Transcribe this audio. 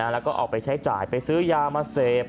แล้วก็เอาไปใช้จ่ายไปซื้อยามาเสพ